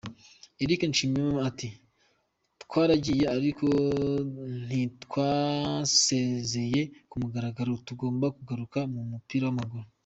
Eric Nshimiyimana ati “ Twaragiye ariko ntitwasezeye ku mugaragaro, tugomba kugaruka mu mupira w’amaguru.